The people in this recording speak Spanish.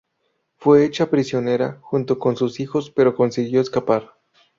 Fue hecha prisionera junto con sus hijos, pero consiguió escapar.